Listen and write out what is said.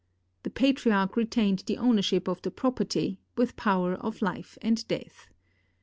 The patriarch retained the ownership of the property, with power of life and death.